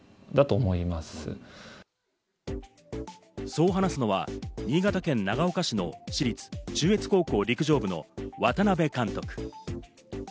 そう話すのは新潟県長岡市の市立中越高校陸上部の渡辺監督。